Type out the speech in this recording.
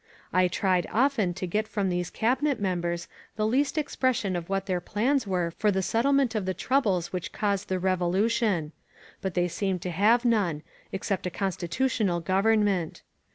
I tried often to get from these Cabinet members the least expression of what their plans were for the settlement of the troubles which caused the Revolution; but they seemed to have none, except a Constitutional Government.